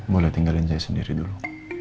boleh tinggalin saya sendiri dulu